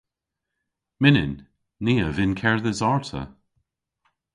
Mynnyn. Ni a vynn kerdhes arta.